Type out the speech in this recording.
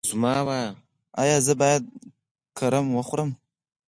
ایا زه باید کرم وخورم؟